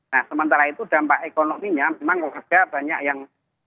nah sementara itu dampak ekonominya memang warga banyak yang